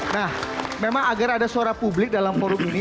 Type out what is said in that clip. nah memang agar ada suara publik dalam forum ini